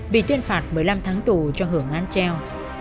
bị tuyên phạt một mươi năm tháng tù cho hưởng án treo